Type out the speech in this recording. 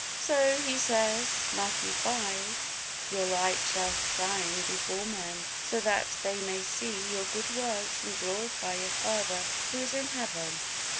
So He says, Matthew v: "Your light shall shine before men, so that they may see your good works and glorify your Father Who is in heaven."